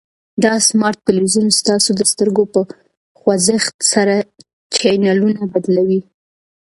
دا سمارټ تلویزیون ستاسو د سترګو په خوځښت سره چینلونه بدلوي.